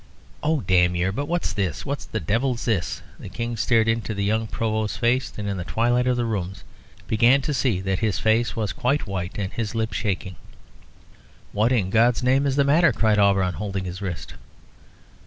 "Oh, damn your But what's this? What the devil's this?" The King stared into the young Provost's face, and in the twilight of the room began to see that his face was quite white and his lip shaking. "What in God's name is the matter?" cried Auberon, holding his wrist.